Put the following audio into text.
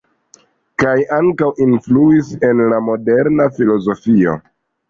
Kaj ankaŭ influis en la moderna filozofio.